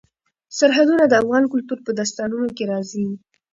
سرحدونه د افغان کلتور په داستانونو کې راځي.